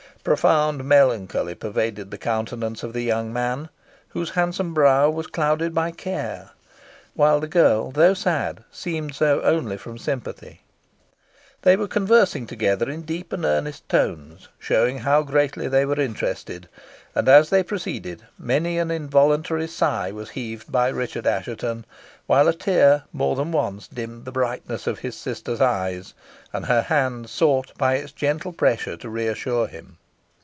Profound melancholy pervaded the countenance of the young man, whose handsome brow was clouded by care while the girl, though sad, seemed so only from sympathy. They were conversing together in deep and earnest tones, showing how greatly they were interested; and, as they proceeded, many an involuntary sigh was heaved by Richard Assheton, while a tear, more than once, dimmed the brightness of his sister's eyes, and her hand sought by its gentle pressure to re assure him.